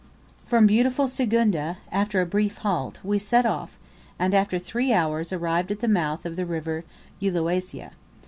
From beautiful Sigunga, after a brief halt, we set off, and, after three hours, arrived at the mouth of the River Uwelasia.